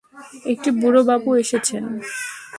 একটি বুড়ো বাবু এসেছেন।